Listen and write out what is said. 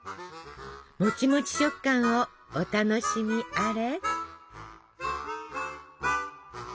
もちもち食感をお楽しみあれ。